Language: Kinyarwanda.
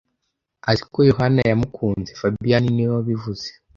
Azi ko Yohana yamukunze fabien niwe wabivuze